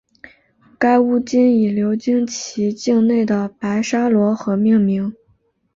该巫金以流经其境内的白沙罗河命名。